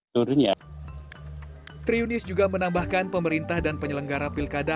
triunis juga menambahkan pemerintah dan penyelenggara pilkada